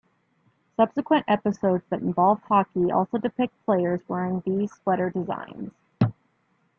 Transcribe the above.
Subsequent episodes that involve hockey also depict players wearing these sweater designs.